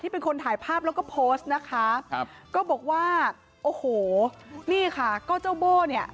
เป็นคนถ่ายภาพแล้วก็โพสต์นะคะครับก็บอกว่าโอ้โหนี่ค่ะก็เจ้าโบ้เนี่ย